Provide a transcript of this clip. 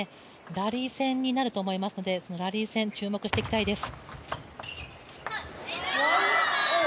ラリー戦になると思いますのでラリー戦注目していきたいです。